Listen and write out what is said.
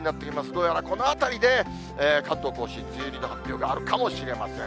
どうやらこのあたりで、関東甲信、梅雨入りの発表があるかもしれません。